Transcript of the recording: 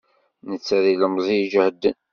Netta d ilemẓi ijehden.